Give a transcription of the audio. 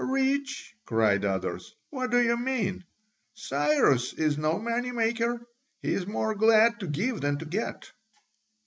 "Rich?" cried others, "what do you mean? Cyrus is no money maker: he is more glad to give than to get."